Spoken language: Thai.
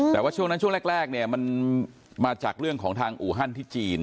แต่ว่าช่วงนั้นช่วงแรกเนี่ยมันมาจากเรื่องของทางอูฮันที่จีน